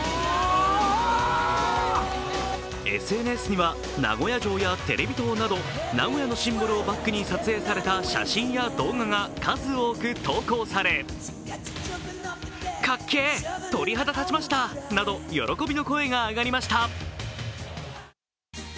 ＳＮＳには名古屋城やテレビ塔など名古屋のシンボルをバックに撮影された写真や動画が数多く投稿され喜びの声が上がりました。